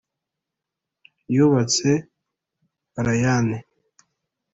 yubatse, allayne.